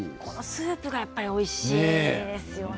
スープがおいしいですよね。